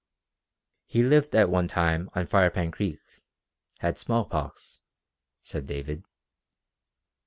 "He lived at one time on Firepan Creek. Had small pox," said David.